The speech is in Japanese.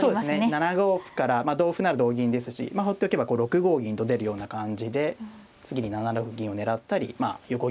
７五歩から同歩なら同銀ですし放っておけば６五銀と出るような感じで次に７六銀を狙ったりまあ横利きを通して。